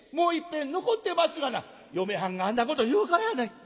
「嫁はんがあんなこと言うからやない」。